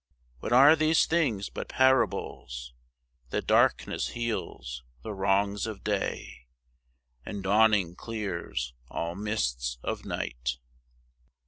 What are these things but parables, That darkness heals the wrongs of day, And dawning clears all mists of night.